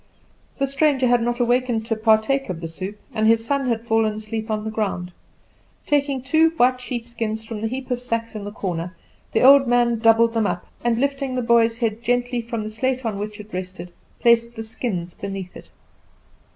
The stranger had not awakened to partake of the soup, and his son had fallen asleep on the ground. Taking two white sheepskins from the heap of sacks in the corner, the old man doubled them up, and lifting the boy's head gently from the slate on which it rested, placed the skins beneath it.